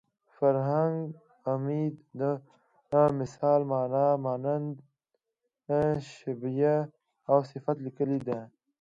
فرهنګ عمید د مثل مانا مانند شبیه او صفت لیکلې ده